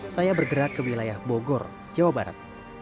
saya bergerak ke wilayah bogor jawa barat